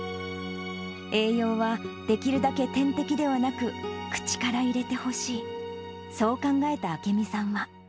栄養は、できるだけ点滴ではなく、口から入れてほしい、そう考えた明美さんは。